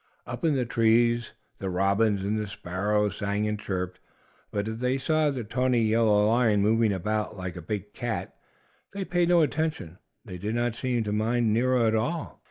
Up in the trees the robins and the sparrows sang and chirped, but if they saw the tawny, yellow lion moving about, like a big cat, they paid no attention. They did not seem to mind Nero at all.